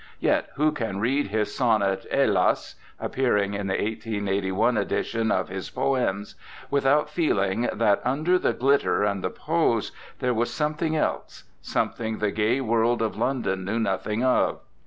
Yet who can read his sonnet, "Helas!" appearing in the 1881 edition of his POEMS, without feeling that under the glitter and the pose there was something else, something the gay world of London knew nothing of?